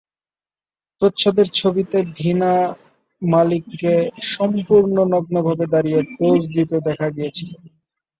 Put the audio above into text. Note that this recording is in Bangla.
প্রচ্ছদের ছবিতে ভিনা মালিককে সম্পূর্ণ নগ্নভাবে দাঁড়িয়ে পোজ দিতে দেখা গিয়েছিল।